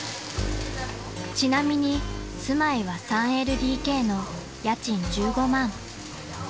［ちなみに住まいは３ＬＤＫの家賃１５万］